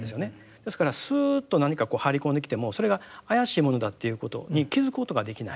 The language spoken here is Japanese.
ですからスーッと何かこう入り込んできてもそれが怪しいものだっていうことに気付くことができない。